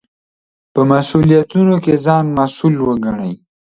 په مسوولیتونو کې ځان مسوول وګڼئ.